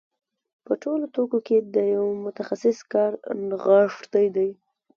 په ټولو توکو کې د یو متخصص کار نغښتی دی